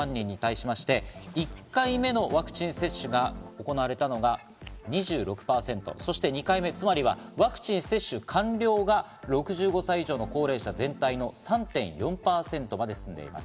６５歳以上の高齢者３６００万人に対しまして、１回目のワクチン接種が行われたのが２６％、そして２回目、つまりはワクチン接種完了が６５歳以上の高齢者全体の３．４％まで進んでいます。